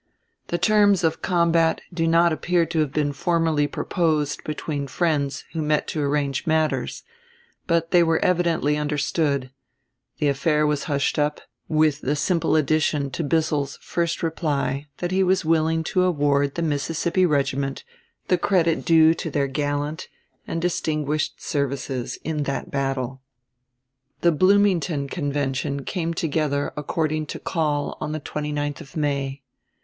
The terms of combat do not appear to have been formally proposed between the friends who met to arrange matters, but they were evidently understood; the affair was hushed up, with the simple addition to Bissell's first reply that he was willing to award the Mississippi regiment "the credit due to their gallant and distinguished services in that battle." 1856. The Bloomington Convention came together according to call on the 29th of May.